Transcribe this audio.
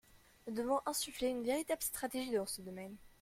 Nous devons insuffler une véritable stratégie dans ce domaine.